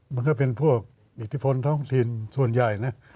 มันก็เป็นพวกอิทธิพลท้องถิ่นส่วนใหญ่นะ